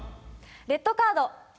レッドカード。